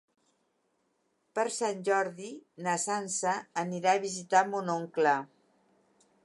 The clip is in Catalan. Per Sant Jordi na Sança anirà a visitar mon oncle.